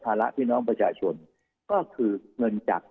ระพี่น้องประชาชนก็คือเงินจาก